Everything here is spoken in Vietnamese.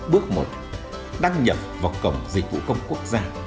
bước một đăng nhập vào cổng dịch vụ công quốc gia